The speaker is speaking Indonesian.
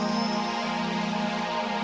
ooo kau buat kayak pembicara